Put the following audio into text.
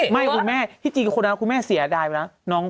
ไม่คุณแม่ที่จริงคนมีคุณแม่เสียดายดีน๊ะ